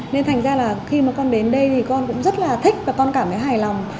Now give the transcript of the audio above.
nên thành ra là khi mà con đến đây thì con cũng rất là thích và con cảm thấy hài lòng